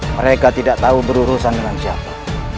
mereka tidak tahu berurusan dengan siapa